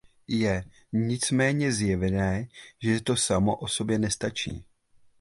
Je nicméně zjevné, že to samo o sobě nestačí.